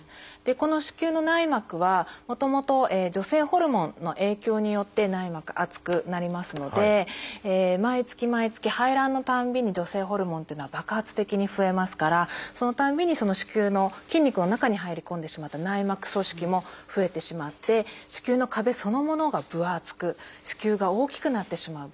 この子宮の内膜はもともと女性ホルモンの影響によって内膜厚くなりますので毎月毎月排卵のたんびに女性ホルモンっていうのは爆発的に増えますからそのたんびにその子宮の筋肉の中に入り込んでしまった内膜組織も増えてしまって子宮の壁そのものが分厚く子宮が大きくなってしまう病気です。